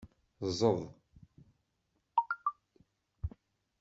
Ẓẓed.